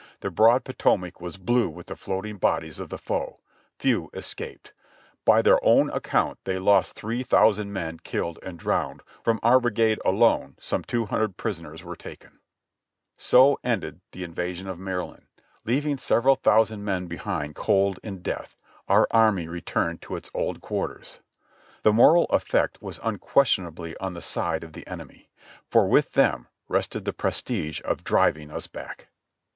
The broad Potomac was blue with the floating bodies of the foe. Few escaped. By their own account they lost three thousand men killed and drowned ; from our brigade alone some two hundred prisoners were taken." (A. P. Hill's Report on the Campaign in Maryland.) So ended the invasion of Maryland. Leaving several thousand men behind cold in death, our army returned to its old quarters. The moral effect was unquestionably on the side of the enemy, for with them rested the prestige of driving us back.